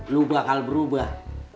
lo bakal berubah